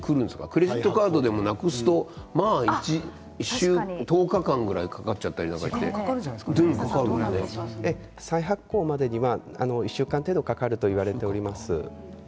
クレジットカードもなくすと１０日間ぐらい再発行までには１週間程度かかるといわれております。